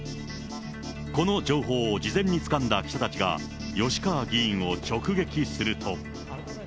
この情報を事前につかんだ記者たちが吉川議員を直撃すると。